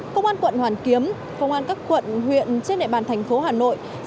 công an quận hoàn kiếm công an các quận huyện trên địa bàn thành phố hà nội